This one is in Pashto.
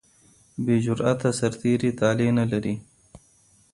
بې جراته سرتیري طالع نه لري.